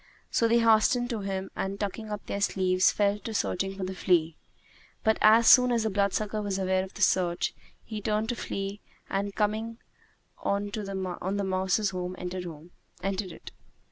So they hastened to him and, tucking up their sleeves, fell to searching for the flea; but as soon as the bloodsucker was aware of the search, he turned to flee and coming on the mouse's home, entered it.